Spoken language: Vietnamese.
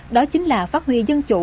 đó chính là phát huy dân chủ